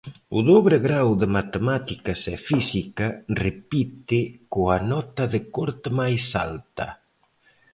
O dobre grao de Matemáticas e Física repite coa nota de corte máis alta.